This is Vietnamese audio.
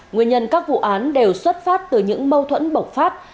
nguyên nhân các vụ án đều xuất phát từ những mâu thuẫn bộc phát